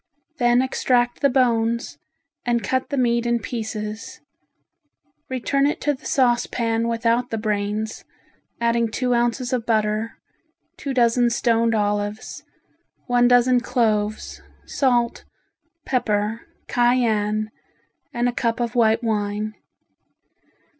Then extract the bones and cut the meat in pieces, return it to the saucepan without the brains, adding two ounces of butter, two dozen stoned olives, one dozen cloves, salt, pepper, cayenne, and a cup of white wine.